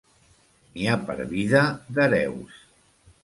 N'hi ha per vida d'hereus.